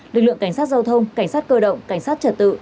lực lượng cảnh sát giao thông cảnh sát cơ động cảnh sát trật tự